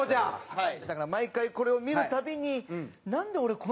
はい。